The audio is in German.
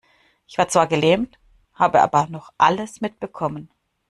Ich war zwar gelähmt, habe aber noch alles mitbekommen.